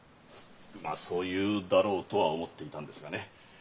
まあそう言うだろうとは思っていたんですがね。